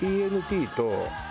ＴＮＴと。